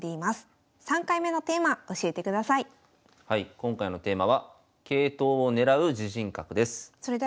今回のテーマは「桂頭をねらう自陣角」です。